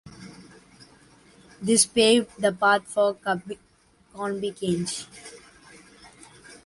This paved the path for concubinage.